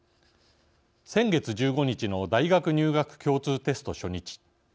先月１５日の大学入学共通テスト初日。